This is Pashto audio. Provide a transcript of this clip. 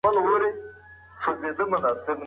د کلي هوا په سهار کې ډېره پاکه وي.